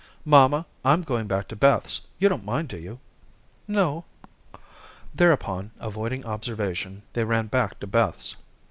"Mamma, I'm going back to Beth's. You don't mind, do you?" "No." Thereupon, avoiding observation, they ran back to Beth's.